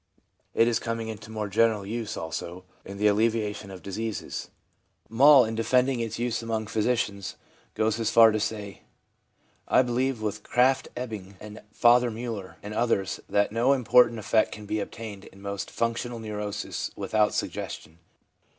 1 It is coming into more general use, also, in the alleviation of diseases. Moll, in defending its use among physicians, goes so far as to say, ' I believe, with Krafft Ebing, Fr. Miiller and others, that no important effect can be obtained in most functional neuroses with out suggestion.